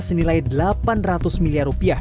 senilai delapan ratus miliar rupiah